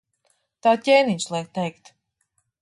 Tā ķēniņš liek teikt.